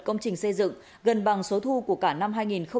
công trình xây dựng gần bằng số thu của cả năm hai nghìn hai mươi hai